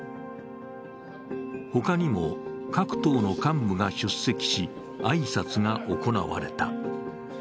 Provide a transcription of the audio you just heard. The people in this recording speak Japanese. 他にも、各党の幹部が出席し挨拶が行われた。